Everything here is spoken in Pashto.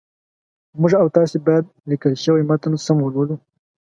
موږ او تاسي باید لیکل شوی متن سم ولولو